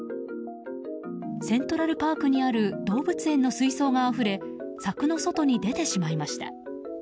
セントラルパークにある動物園の水槽があふれ柵の外に出てしまいました。